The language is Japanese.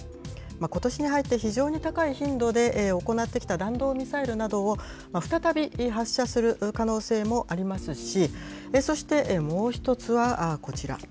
ことしに入って、非常に高い頻度で行ってきた弾道ミサイルなどを、再び発射する可能性もありますし、そして、もう一つは、こちら。